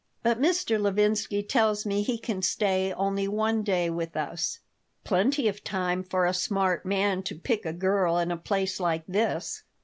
"But Mr. Levinsky tells me he can stay only one day with us." "Plenty of time for a smart man to pick a girl in a place like this.